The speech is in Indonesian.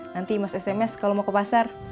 nanti mas sms kalau mau ke pasar